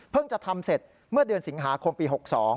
จะทำเสร็จเมื่อเดือนสิงหาคมปี๖๒